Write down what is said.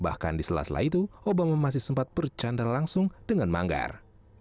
bahkan di sela sela itu obama masih sempat bercanda langsung dengan manggar